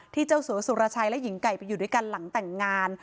เจ้าสัวสุรชัยและหญิงไก่ไปอยู่ด้วยกันหลังแต่งงาน